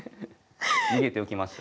逃げておきました。